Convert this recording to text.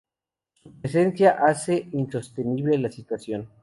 Su presencia hace insostenible la situación.